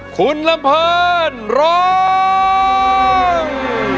คุณลำเพลินร้อง